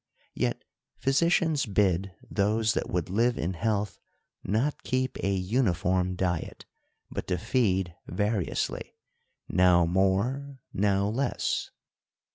Yet physicians bid those that would live in health, not keep a uniform diet, but to feed variously ; now more, now less.